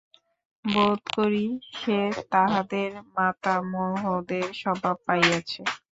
বোধ করি সে তাহাদের মাতামহদের স্বভাব পাইয়াছে।